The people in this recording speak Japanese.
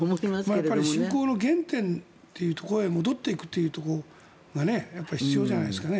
やっぱり信仰の原点というところへ戻っていくというところが必要じゃないですかね。